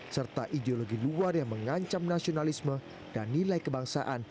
serta ideologi luar yang mengancam nasionalisme dan nilai kebangsaan